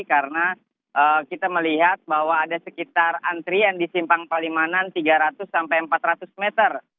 karena kita melihat bahwa ada sekitar antrian di simpang palimanan tiga ratus sampai empat ratus meter